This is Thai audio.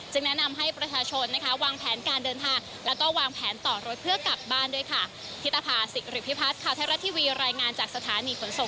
แนะนำให้ประชาชนนะคะวางแผนการเดินทางแล้วก็วางแผนต่อรถเพื่อกลับบ้านด้วยค่ะ